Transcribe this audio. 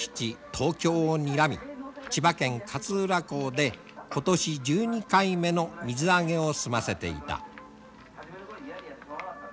東京をにらみ千葉県勝浦港で今年１２回目の水揚げを済ませていた。